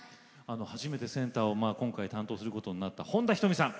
初めてセンターを今回担当することになった本田仁美さん